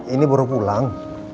ini baru pulang